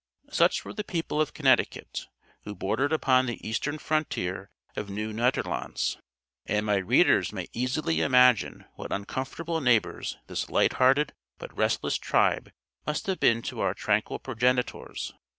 Such were the people of Connecticut, who bordered upon the eastern frontier of Nieuw Nederlandts, and my readers may easily imagine what uncomfortable neighbors this light hearted but restless tribe must have been to our tranquil progenitors.